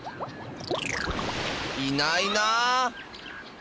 いないなあ。